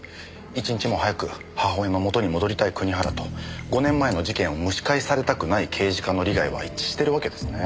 一日も早く母親の元に戻りたい国原と５年前の事件を蒸し返されたくない刑事課の利害は一致してるわけですね。